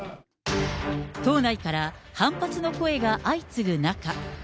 党内から、反発の声が相次ぐ中。